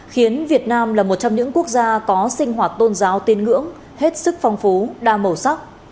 khiến việt nam là một trong những quốc gia có sinh hoạt tôn giáo tin ngưỡng hết sức phong phú đa màu sắc